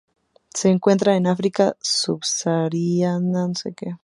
Se encuentra en África subsahariana, Asia y Oceanía.